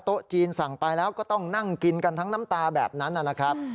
จีนสั่งไปแล้วก็ต้องนั่งกินกันทั้งน้ำตาแบบนั้นนะครับ